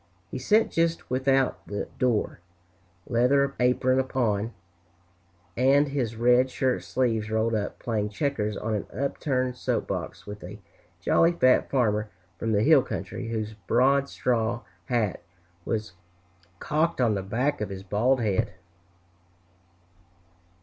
He sat just without the door, leather apron on, and his red shirt sleeves rolled up, playing checkers on an upturned soap box, with a jolly fat farmer from the hill country, whose broad straw hat was cocked on the back of his bald head.